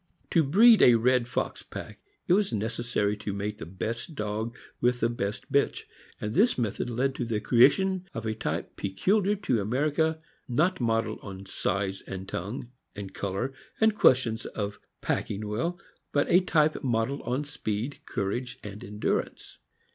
To breed a red fox pack, it was necessary to mate the best dog with the best bitch; and this method led to the creation of a type peculiar to America — not modeled on size, and tongue, and color, and questions of packing well, but a type modeled on speed, courage, and endurance.